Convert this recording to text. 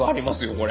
これ。